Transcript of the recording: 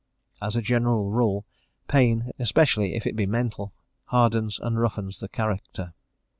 As a general rule, pain, especially if it be mental, hardens and roughens the character.